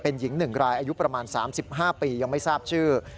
เป็นหญิง๑รายอายุประมาณ๓๕ปียังไม่ทราบชื่อ